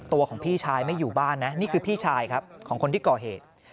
ตัวของพี่ชายไม่อยู่บ้านนะนี่คือพี่ชายครับของคนที่ก่อเหตุ